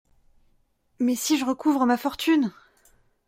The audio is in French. Mais si je recouvre ma fortune !…